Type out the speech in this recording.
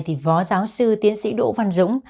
thì phó giáo sư tiến sĩ đỗ văn dũng